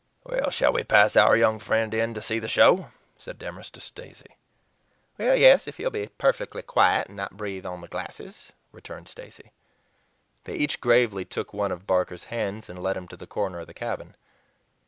"Shall we pass our young friend in to see the show?" said Demorest to Stacy. "Yes, if he'll be perfectly quiet and not breathe on the glasses," returned Stacy. They each gravely took one of Barker's hands and led him to the corner of the cabin.